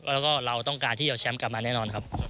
แล้วก็เราต้องการที่เอาแชมป์กลับมาแน่นอนครับ